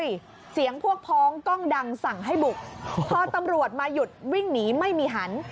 ใช่เสียงพวกพ้องกล้องดังสั่งให้บุกพอตำรวจมาหยุดวิ่งหนีไม่มีหัน